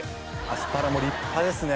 アスパラも立派ですね。